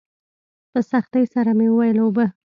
په سختۍ سره مې وويل اوبه.